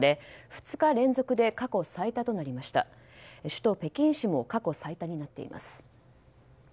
首都・北京市も過去最多になっています。